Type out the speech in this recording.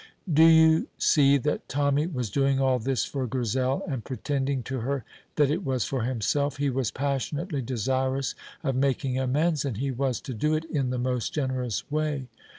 Do you see that Tommy was doing all this for Grizel and pretending to her that it was for himself? He was passionately desirous of making amends, and he was to do it in the most generous way.